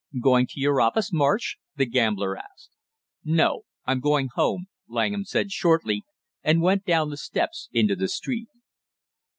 "Going to your office, Marsh?" the gambler asked. "No, I'm going home," Langham said shortly, and went down the steps into the street.